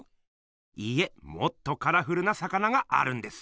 いいえもっとカラフルな魚があるんです。